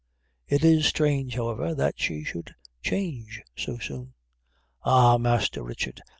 "It is strange, however, that she should change so soon!" "Ah, Master Richard!